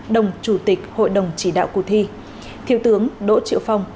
đồng chủ tịch hội đồng chỉ đạo cuộc thi thiếu tướng đỗ triệu phong